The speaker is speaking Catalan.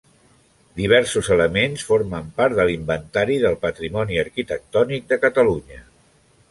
Diversos elements formen part de l'Inventari del Patrimoni Arquitectònic de Catalunya.